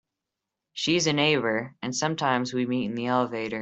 She is a neighbour, and sometimes we meet in the elevator.